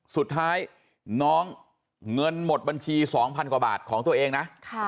สุดท้ายน้องเงินหมดบัญชี๒๐๐กว่าบาทของตัวเองนะ